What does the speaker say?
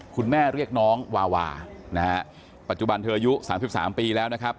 คุณแม่เรียกน้องวาวาปัจจุบันเธออายุ๓๓ปีแล้วนะครับ